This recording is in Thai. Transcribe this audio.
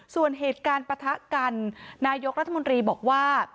ส่วนเหตุการณ์ปะทะกันนายกรัฐมนตรีบอกว่า